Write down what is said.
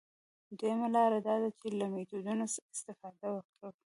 دویمه لاره دا ده چې له میتودونو استفاده وکړو.